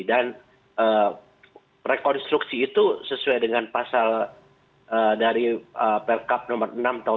dan rekonstruksi itu sesuai dengan pasal dari perkap nomor enam tahun dua ribu sembilan belas